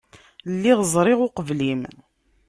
Lliɣ ẓriɣ uqbel-im.